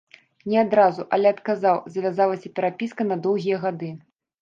Не адразу, але адказаў, завязалася перапіска на доўгія гады.